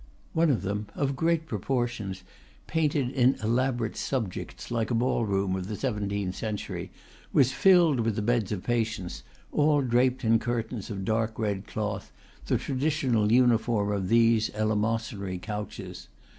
One of them, of great proportions, painted in elaborate "subjects," like a ball room of the seven teenth century, was filled with the beds of patients, all draped in curtains of dark red cloth, the tradi tional uniform of these, eleemosynary couches.